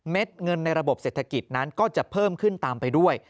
เงินในระบบเศรษฐกิจนั้นก็จะเพิ่มขึ้นตามไปด้วย